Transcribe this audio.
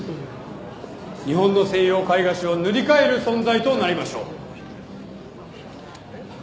日本の西洋絵画史を塗り替える存在となりましょう。